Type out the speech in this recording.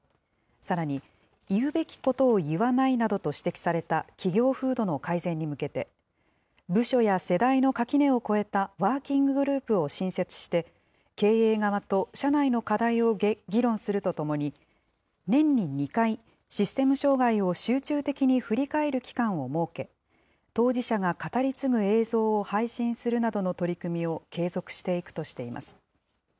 さらに、言うべきことを言わないなどと指摘された企業風土の改善に向けて、部署や世代の垣根を越えたワーキンググループを新設して、経営側と社内の課題を議論するとともに、年に２回、システム障害を集中的に振り返る期間を設け、当事者が語り継ぐ映像を配信するなどの取り組みを継続していくとしています。